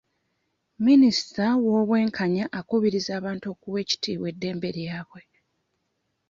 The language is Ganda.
Minisita w'obwenkanya akubiriza abantu okuwa ekitiibwa eddembe lyabwe.